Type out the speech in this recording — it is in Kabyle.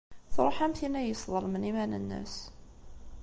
Tṛuḥ am tin ay yesḍelmen iman-nnes.